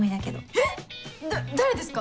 えっ⁉誰ですか？